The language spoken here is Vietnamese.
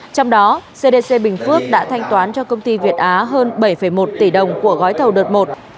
trong đó cdc bình phước đã thanh toán cho công ty việt á hơn bảy một tỷ đồng của gói thầu đợt một